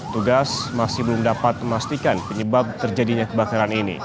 tugas masih belum dapat memastikan penyebab terjadinya kebakaran ini